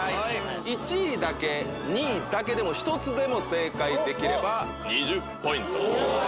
１位だけ２位だけでも１つでも正解できれば２０ポイント。